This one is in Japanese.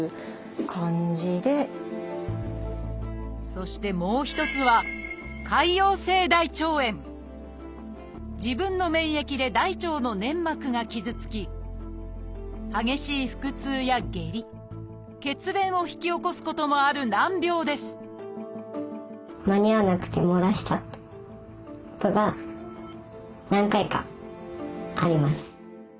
そしてもう一つは自分の免疫で大腸の粘膜が傷つき激しい腹痛や下痢血便を引き起こすこともある難病ですことが何回かあります。